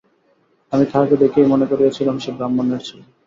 আমি তাহাকে দেখিয়াই মনে করিয়াছিলাম, সে ব্রাহ্মণের ছেলে।